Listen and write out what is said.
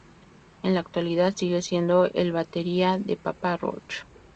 En la actualidad sigue siendo el batería de Papa Roach.